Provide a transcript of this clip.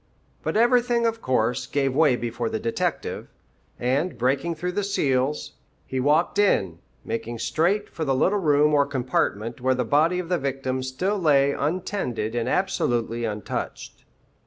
But everything, of course, gave way before the detective, and, breaking through the seals, he walked in, making straight for the little room or compartment where the body of the victim still lay untended and absolutely untouched.